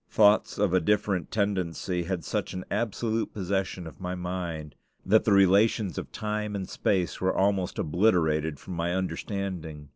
Thoughts of a different tendency had such an absolute possession of my mind, that the relations of time and space were almost obliterated from my understanding.